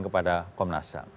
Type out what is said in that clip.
kepada komnas ham